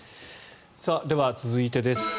では、続いてです。